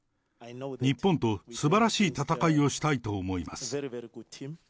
日本とすばらしい戦いをしたいと思います。